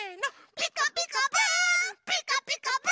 「ピカピカブ！ピカピカブ！